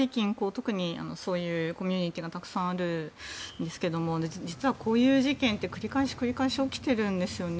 特にそういうコミュニティーがたくさんあるんですが実は、こういう事件って繰り返し繰り返し起きているんですよね。